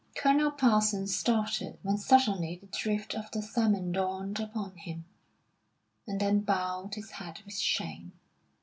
Colonel Parsons started when suddenly the drift of the sermon dawned upon him, and then bowed his head with shame.